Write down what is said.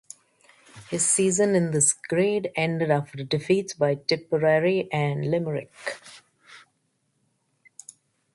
His season in this grade ended after defeats by Tipperary and Limerick.